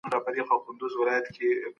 ایا د وچکالی مخنیوي لپاره کوم پلان شتون لري؟